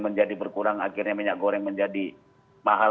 menjadi berkurang akhirnya minyak goreng menjadi mahal